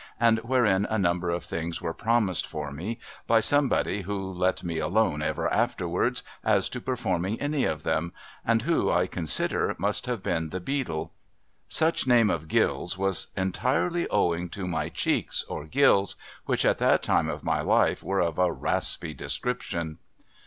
and wherein a number of things were promised for me by somebody, who let me alone ever afterwards as to performing any of them, and who, I consider, must have been the Beadle, Such name of Gills was entirely owdng to my cheeks, or gills, which at that time of my life were of a raspy description.